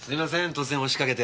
突然押しかけて。